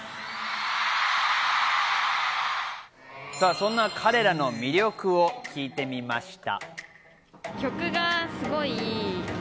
そんな彼らの魅力を聞いてみました。